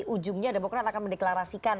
ujungnya demokrat akan mendeklarasikan